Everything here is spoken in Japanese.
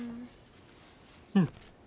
うん。